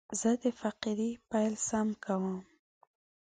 زه د فقرې پیل سم کوم.